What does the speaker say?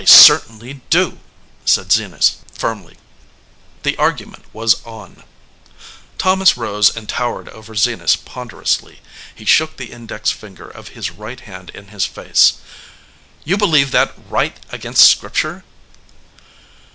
"I certainly do," said Zenas, firmly. The argument was on. Thomas rose and towered over Zenas ponder ously. He shook the index finger of his right hand in his face : "You believe that right against Scripture?"